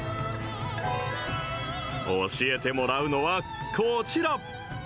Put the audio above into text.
教えてもらうのはこちら。